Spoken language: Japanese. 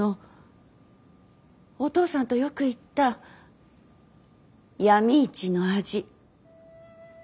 お父さんとよく行った闇市の味。